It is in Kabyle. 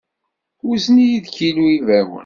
Wzen-iyi-d kilu n yibawen.